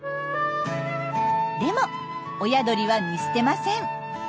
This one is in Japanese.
でも親鳥は見捨てません。